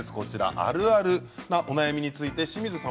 あるあるのお悩みについて清水さん